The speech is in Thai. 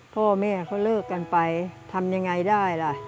พ่อแม่เขาเลิกกันไปทำยังไงได้ล่ะ